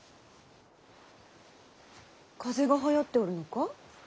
風邪がはやっておるのか。